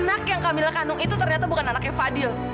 anak yang kami kandung itu ternyata bukan anaknya fadil